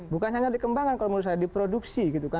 bukan hanya dikembangkan kalau menurut saya diproduksi